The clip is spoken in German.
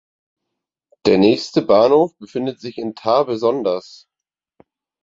Der nächste Bahnhof befindet sich in Tarbesonders